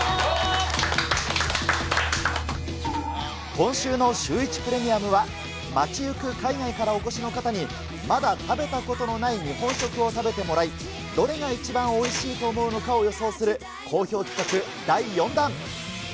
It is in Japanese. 今週のシューイチプレミアムは、街行く海外から起こしの方に、まだ食べたことのない日本食を食べてもらい、どれが一番おいしいと思うのかを予想する、好評企画第４弾。